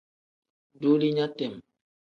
Duulinya tem.